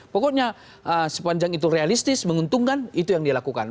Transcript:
pokoknya sepanjang itu realistis menguntungkan itu yang dilakukan